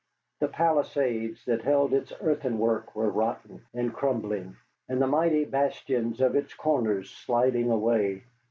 The palisades that held its earthenwork were rotten and crumbling, and the mighty bastions of its corners sliding away.